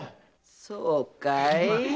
そうかい。